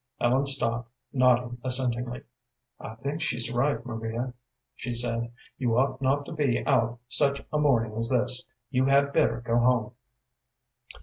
Ellen stopped, nodding assentingly. "I think she's right, Maria," she said. "You ought not to be out such a morning as this. You had better go home."